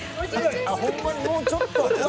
あっホンマにもうちょっと。